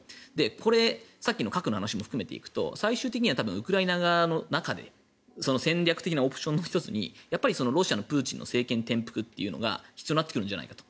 これ、さっきの核の話も含めていくと最終的にはウクライナ側の中で戦力的のオプションの１つにロシアのプーチンの政権転覆というのが必要になってくるんじゃないかと。